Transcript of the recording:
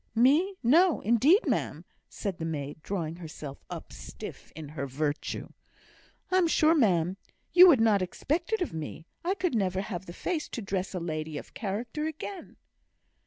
"Me! no, indeed, ma'am," said the maid, drawing herself up, stiff in her virtue. "I'm sure, ma'am, you would not expect it of me; I could never have the face to dress a lady of character again."